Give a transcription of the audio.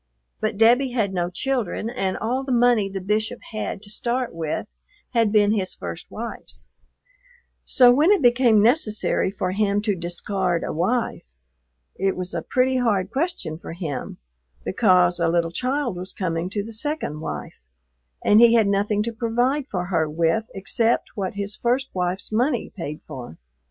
But Debbie had no children, and all the money the Bishop had to start with had been his first wife's; so when it became necessary for him to discard a wife it was a pretty hard question for him because a little child was coming to the second wife and he had nothing to provide for her with except what his first wife's money paid for.